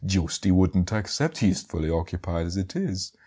Giusti wouldn't accept; he is fully occupied as it is.